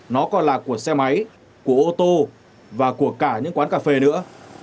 nó còn là của xe máy của ô tô và của cả những quán cà phê nữa